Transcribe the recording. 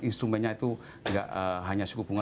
instrumennya itu tidak hanya suku bunga